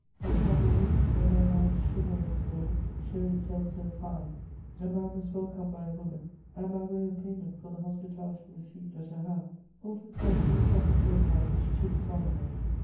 At Chambéry, where Bayard's chivalrous soul showed itself so fine, a man was welcomed by a woman, and by way of payment for the hospitality received at her hands, thought himself philosophically obliged to dishonour her.